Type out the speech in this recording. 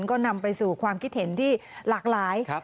ก็นำไปสู่ความคิดเห็นที่หลากหลาย